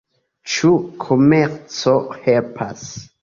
Ĉu komerco helpas?